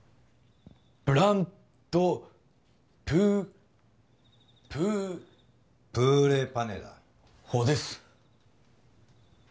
ブラン・ド・プープープーレ・パネだほうです